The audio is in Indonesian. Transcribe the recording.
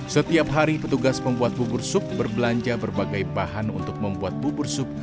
setiap hari petugas membuat bubur sup berbelanja berbagai bahan untuk membuat bubur sup